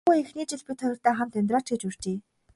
Дүүгээ эхний жил бид хоёртой хамт амьдраач гэж урьжээ.